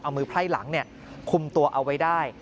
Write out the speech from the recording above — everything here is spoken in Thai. เอามือไพร่หลังคุมตัวเอาไว้ได้